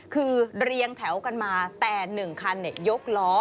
คือเรียงแถวกันมาแต่๑คันยกล้อ